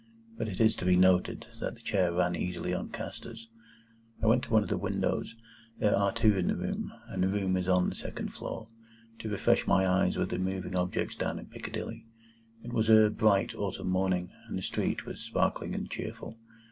(But it is to be noted that the chair ran easily on castors.) I went to one of the windows (there are two in the room, and the room is on the second floor) to refresh my eyes with the moving objects down in Piccadilly. It was a bright autumn morning, and the street was sparkling and cheerful.